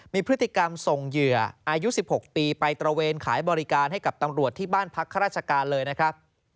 มีพฤติกรรมส่งเหยื่ออายุ๑๖ปีไปตระเวนขายบริการให้กับตำรวจที่บ้านพักข้าราชการเลยนะครับ